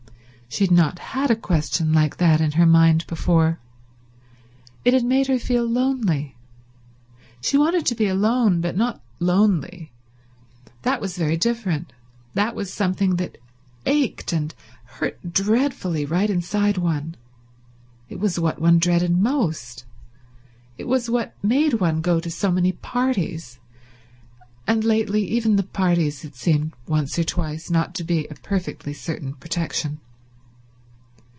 She had not had a question like that in her mind before. It had made her feel lonely. She wanted to be alone, but not lonely. That was very different; that was something that ached and hurt dreadfully right inside one. It was what one dreaded most. It was what made one go to so many parties; and lately even the parties had seemed once or twice not to be a perfectly certain protection.